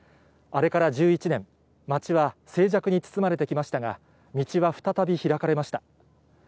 あれから１１年、町は静寂に包まれてきましたが、道は再び開かれました。